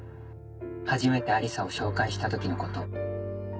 初めて亜理紗を紹介した時のこと。